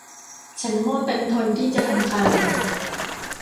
ฉันโง่เต็มทนที่จะทำตาม